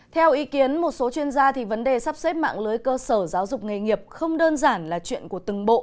theo ý kiến một số chuyên gia vấn đề sắp xếp mạng lưới cơ sở giáo dục nghề nghiệp không đơn giản là chuyện của từng bộ